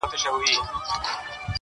o خونه که مي وسوه، دېوالونه ئې پاخه سوه!